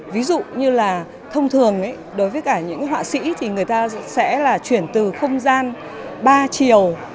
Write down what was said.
ví dụ như là thông thường đối với cả những họa sĩ thì người ta sẽ là chuyển từ không gian ba chiều